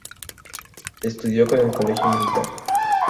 Estudió en el Colegio Militar.